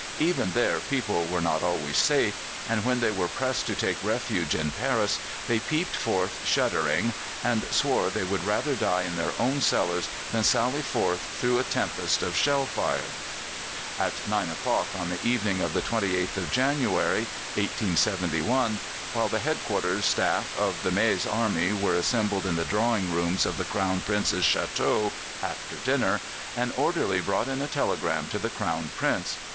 Even there people were not always safe, and when they were pressed to take refuge in Paris they peeped forth shuddering, and swore they would rather die in their own cellars than sally forth through a tempest of shell fire. "At nine o'clock on the evening of the 28th of January, 1871, while the Head quarters Staff of the Maes Army were assembled in the drawing rooms of the Crown Prince's château after dinner, an orderly brought in a telegram to the Crown Prince.